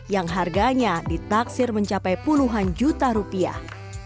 yang harganya ditaksir mencapai puluhan juta rupiah